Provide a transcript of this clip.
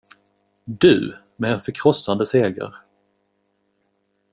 Du, med en förkrossande seger.